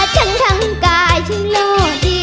โปรดติดตามต่อไป